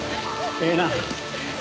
ええな？